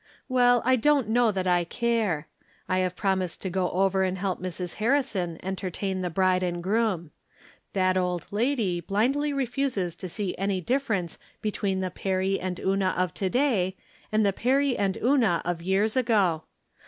Well, I don't know that I care. I have promised to go over and help Mrs. Harrison entertain the bride and groom. That old lady blindly refuses to see any difference between the Perry and Una of to day and the Perry and Una of years ago.